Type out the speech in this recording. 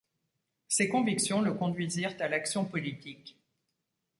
Ses convictions le conduisirent à l’action politique.